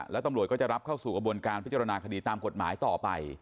แล้วตำรวจก็จะรับเข้าสู่กระบวนการพิจารณาคดีตามกฎหมายต่อไป